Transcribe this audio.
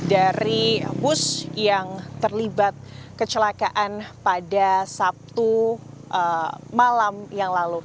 dari bus yang terlibat kecelakaan pada sabtu malam yang lalu